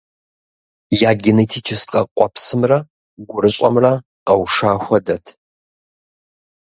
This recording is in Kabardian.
Я генетическэ къуэпсымрэ гурыщӏэмрэ къэуша хуэдэт.